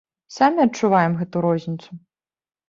Самі адчуваем гэту розніцу.